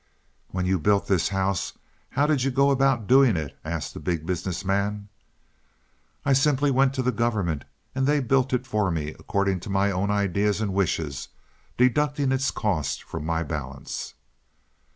"When you built this house, how did you go about doing it?" asked the Big Business Man. "I simply went to the government, and they built it for me according to my own ideas and wishes, deducting its cost from my balance."